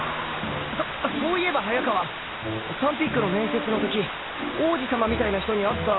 そそういえば早川サンピックの面接の時「王子様みたいな人に会った」とか言ってなかったっけ？